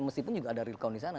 meskipun juga ada real count disana